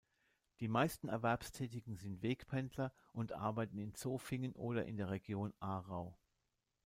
Die meisten Erwerbstätigen sind Wegpendler und arbeiten in Zofingen oder in der Region Aarau.